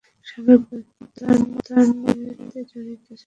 সাবেক প্রধানমন্ত্রী এতে জড়িত ছিলো।